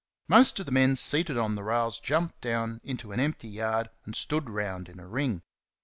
Most of the men seated on the rails jumped down into an empty yard and stood round in a ring.